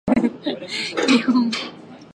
二番搭乗口へお越しください。